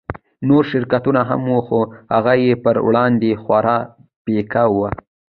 نور شرکتونه هم وو خو هغه يې پر وړاندې خورا پيکه وو.